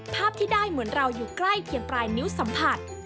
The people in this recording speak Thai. ภาพที่ได้เหมือนเราอยู่ใกล้เพียงปลายนิ้วสัมผัส